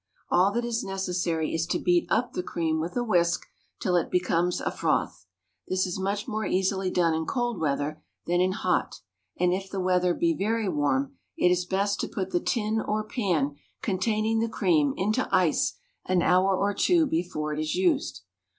All that is necessary is to beat up the cream with a whisk till it becomes a froth. This is much more easily done in cold weather than in hot, and, if the weather be very warm, it is best to put the tin or pan containing the cream into ice an hour or two before it is used.